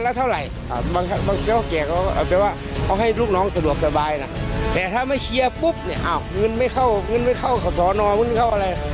เงินไม่เข้าเงินไม่เข้าสอนอมเงินไม่เข้าอะไร